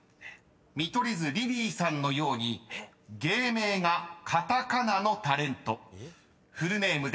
見取り図リリーさんのように芸名がカタカナのタレントフルネームで１０人答えろ］